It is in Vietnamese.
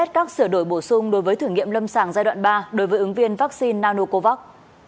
các sửa đổi bổ sung đối với thử nghiệm lâm sàng giai đoạn ba đối với ứng viên vaccine nanocovax